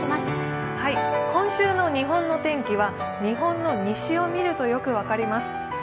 今週の日本の天気は日本の西を見るとよく分かります。